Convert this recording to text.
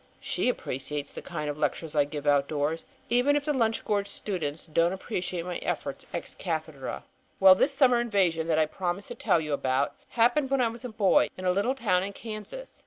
She appreciates the kind of lectures I give outdoors, even if the lunch gorged students don't appreciate my efforts ex cathedra. "Well this summer invasion that I promised to tell you about happened when I was a boy in a little town in Kansas.